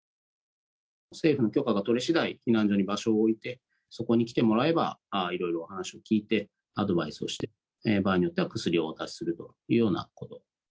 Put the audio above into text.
政府の許可が取れしだい、避難所に場所を置いて、そこに来てもらえば、いろいろお話を聞いて、アドバイスをして、場合によっては薬をお出しするというようなこと。